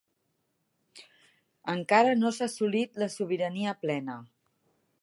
Encara no s'ha assolit la sobirania plena.